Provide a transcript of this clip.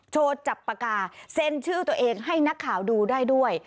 โชว์จับปากกาเซ็นชื่อตัวเองให้นักข่าวดูได้ด้วย